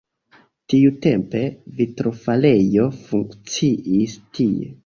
Tiutempe vitrofarejo funkciis tie.